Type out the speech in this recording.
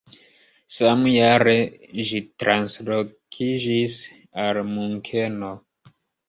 Samjare ĝi translokiĝis al Munkeno.